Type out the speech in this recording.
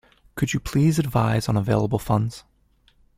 Could you please advise on available funds?